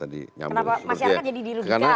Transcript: kenapa masyarakat jadi diludhikan